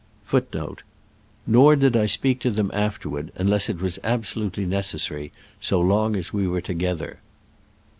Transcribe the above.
t Nor did I speak to them afterward, unless it was abs<dutely necessary, so long as we were together.